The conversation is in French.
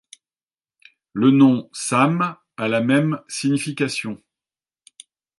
Le nom same a la même signification.